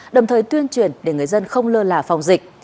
đồng thời tuyên truyền để người dân không lơ là phòng dịch